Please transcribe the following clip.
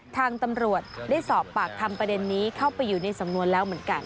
ทางตำรวจได้สอบปากคำประเด็นนี้เข้าไปอยู่ในสำนวนแล้วเหมือนกัน